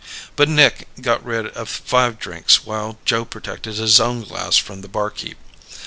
But Nick got rid of five drinks while Joe protected his own glass from the barkeep.